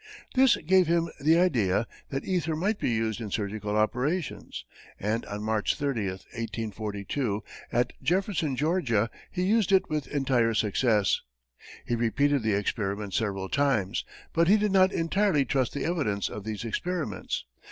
This gave him the idea that ether might be used in surgical operations, and on March 30, 1842, at Jefferson, Georgia, he used it with entire success. He repeated the experiment several times, but he did not entirely trust the evidence of these experiments.